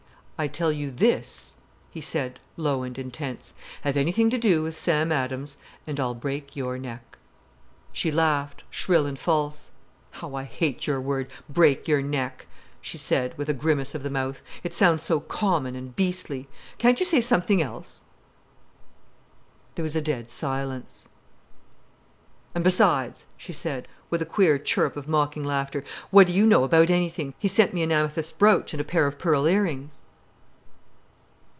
"I tell you this," he said, low and intense. "Have anything to do with Sam Adams, and I'll break your neck." She laughed, shrill and false. "How I hate your word 'break your neck'," she said, with a grimace of the mouth. "It sounds so common and beastly. Can't you say something else——" There was a dead silence. "And besides," she said, with a queer chirrup of mocking laughter, "what do you know about anything? He sent me an amethyst brooch and a pair of pearl ear rings."